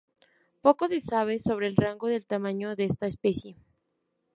Poco se sabe sobre el rango del tamaño de esta especie.